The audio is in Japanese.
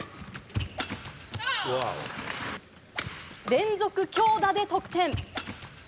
連続強打で得点。